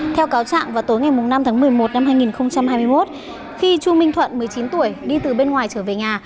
theo cáo trạng vào tối ngày năm tháng một mươi một năm hai nghìn hai mươi một khi chu minh thuận một mươi chín tuổi đi từ bên ngoài trở về nhà